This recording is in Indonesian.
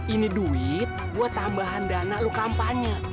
ini duit gue tambahan dana lo kampanye